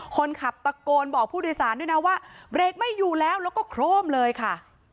คนขับตะโกนบอกผู้โดยสารด้วยนะว่าเบรกไม่อยู่แล้วแล้วก็โครมเลยค่ะ